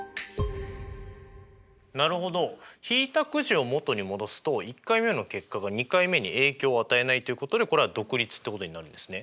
なるほど引いたくじを元に戻すと１回目の結果が２回目に影響を与えないということでこれは独立ってことになるんですね。